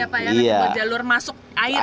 terowongan ya pak yang ada jalur masuk air ya pak ya